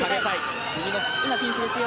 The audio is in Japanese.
今、ピンチですよ。